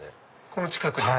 この近くに？